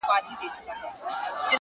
• دا خیرات دی که ښادي که فاتحه ده ,